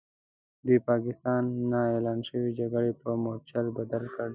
دوی پاکستان د نا اعلان شوې جګړې په مورچل بدل کړ.